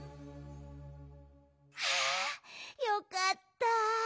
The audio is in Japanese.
はあよかった。